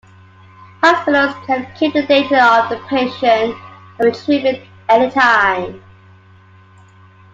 Hospitals can keep the data of a patient and retrieve it any time.